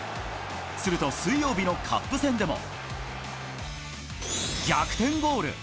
すると水曜日のカップ戦でも、逆転ゴール。